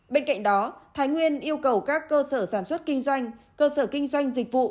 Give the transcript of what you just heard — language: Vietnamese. bên cạnh đó thái nguyên yêu cầu các cơ sở sản xuất kinh doanh cơ sở kinh doanh dịch vụ